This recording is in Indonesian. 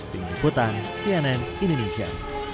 dengan ikutan cnn indonesia